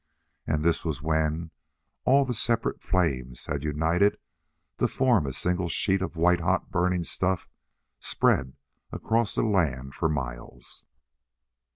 And this was when all the separate flames had united to form a single sheet of white hot burning stuff spread across the land for miles.